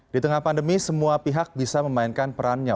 di tengah pandemi semua pihak bisa memainkan perannya